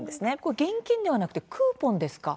現金ではなくてクーポンなんですね。